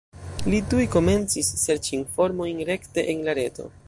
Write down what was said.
Li tuj komencis serĉi informojn rekte en la reto.